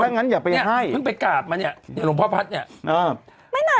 เพิ่งไปกราบมาเนี่ยหลวงพ่อพัฒน์เนี่ย